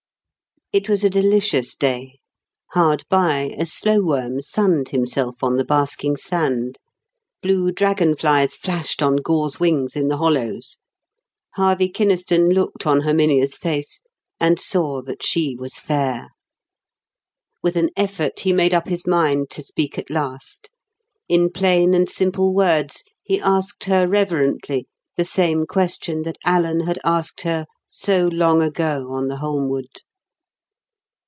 It was a delicious day. Hard by, a slow worm sunned himself on the basking sand. Blue dragon flies flashed on gauze wings in the hollows. Harvey Kynaston looked on Herminia's face and saw that she was fair. With an effort he made up his mind to speak at last. In plain and simple words he asked her reverently the same question that Alan had asked her so long ago on the Holmwood.